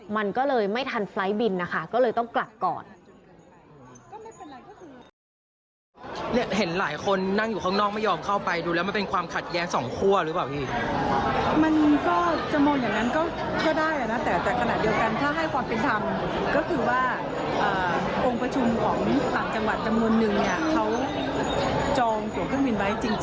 มันก็เลยไม่ทันไฟล์ทบินนะคะก็เลยต้องกลับก่อน